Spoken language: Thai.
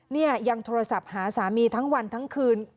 เนี่ยยังโทรศัพท์หาสามีทั้งวันทั้งคืน